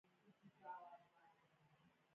په نیمڅي کې هم ویښته لټوي متل د عیب لټون ښيي